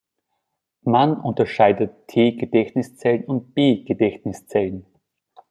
Man unterscheidet T-Gedächtniszellen und B-Gedächtniszellen.